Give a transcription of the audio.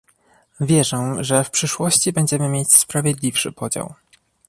Wierzę, że w przyszłości będziemy mieć sprawiedliwszy podział